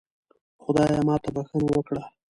خدایا ماته بښنه وکړه